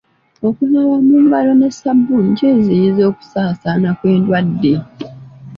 Okunaaba mu ngalo ne sabbuuni kiziyiza okusaasaana kw'endwadde.